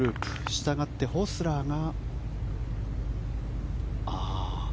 したがってホスラーが。